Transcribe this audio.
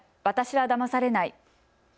私はだまされない。